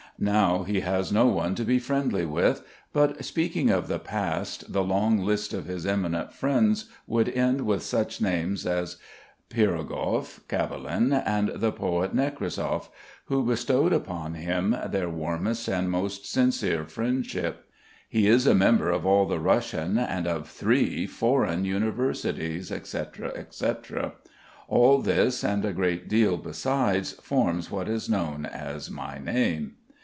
Now he has no one to be friendly with, but speaking of the past the long list of his eminent friends would end with such names as Pirogov, Kavelin, and the poet Nekrasov, who bestowed upon him their warmest and most sincere friendship. He is a member of all the Russian and of three foreign universities, et cetera, et cetera. All this, and a great deal besides, forms what is known as my name.